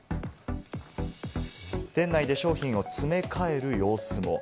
店内で商品を詰め替える様子も。